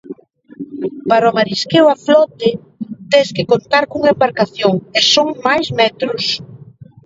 Para o marisqueo a flote tes que contar cunha embarcación e son máis metros.